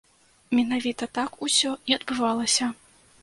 Менавіта так усё і адбывалася.